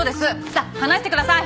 さあ話してください。